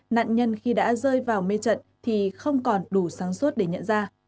nạn nhân khi đã rơi vào mê trận thì không còn đủ sáng suốt để nhận ra